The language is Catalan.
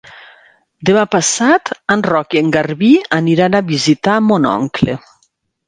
Demà passat en Roc i en Garbí aniran a visitar mon oncle.